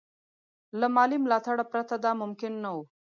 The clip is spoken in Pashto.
له مالي ملاتړه پرته دا ممکن نه وو.